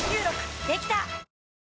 できた！